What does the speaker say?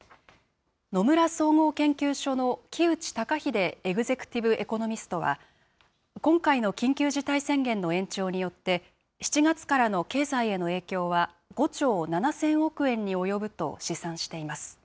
野村総合研究所の木内登英エグゼクティブ・エコノミストは、今回の緊急事態宣言の延長によって、７月からの経済への影響は５兆７０００億円に及ぶと試算しています。